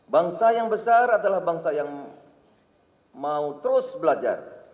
bangsa yang besar adalah bangsa yang mau terus belajar